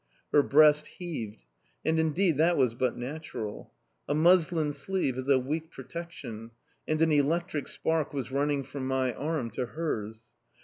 Her breast heaved... And, indeed, that was but natural! A muslin sleeve is a weak protection, and an electric spark was running from my arm to hers.